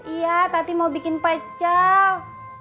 iya tadi mau bikin pecel